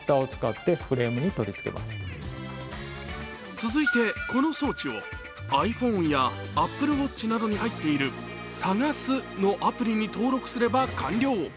続いて、この装置をｉＰｈｏｎｅやＡｐｐｌｅＷａｔｃｈなどに入っている「探す」のアプリに登録すれば完了。